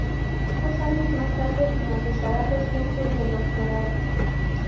Dos años más tarde finalizará los cursos de doctorado.